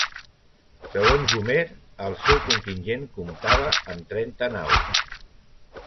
Segons Homer, el seu contingent comptava amb trenta naus.